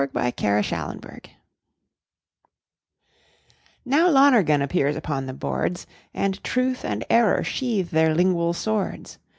AN INTERPRETATION Now Lonergan appears upon the boards, And Truth and Error sheathe their lingual swords.